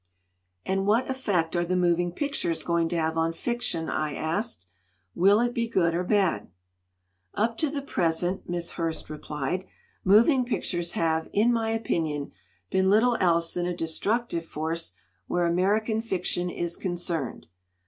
"And what effect are the moving pictures going to have on fiction?'* I asked. "Will it be good or bad?" "Up to the present," Miss Hurst replied, "moving pictures have, in my opinion, been little else than a destructive force where American fiction is concerned.